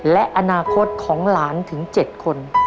และอนาคตของหลานถึง๗คน